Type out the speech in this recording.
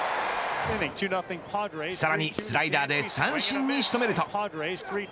さらにスライダーで三振に仕留めると。